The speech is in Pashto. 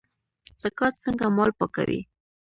زکات څنګه مال پاکوي؟